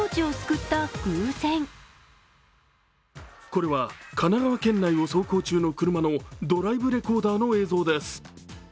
これは神奈川県内を走行中の車のドライブレコーダーの映像です。